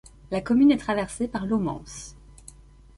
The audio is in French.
La commune est traversée par l'Aumance.